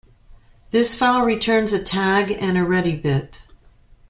This file returns a tag and a ready bit.